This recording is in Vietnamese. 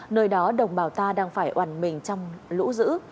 nơi đó đồng bào ta đang phải oàn mình trong lũ dữ